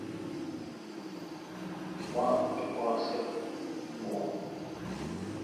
مہ اپاسہ چور۔